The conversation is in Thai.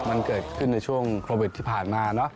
มันเกิดขึ้นในช่วงโควิดที่ผ่านมาเนอะ